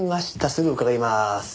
すぐ伺います。